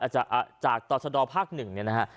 จากต่อชะดอภักดิ์หนึ่งเนี่ยนะฮะ